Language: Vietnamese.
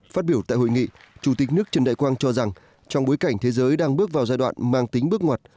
phát biểu tại hội nghị chủ tịch nước trần đại quang cho rằng trong bối cảnh thế giới đang bước vào giai đoạn mang tính bước ngoặt